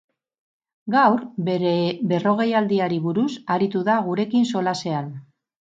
Gaur, bere berrogeialdiari buruz aritu da gurekin solasean.